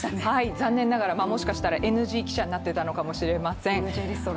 残念ながら、もしかしたらＮＧ記者になっていたのかもしれません。